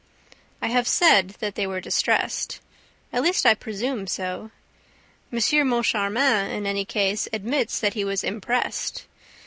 I have said that they were distressed. At least, I presume so. M. Moncharmin, in any case, admits that he was impressed.